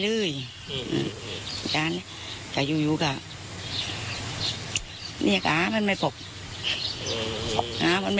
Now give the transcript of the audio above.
เดี๋ยวนี้ซวยมีคนไปให้ช่วย